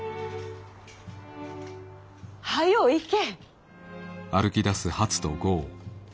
早う行け。